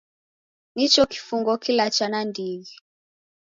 Nicho kifungo kilacha nandighi.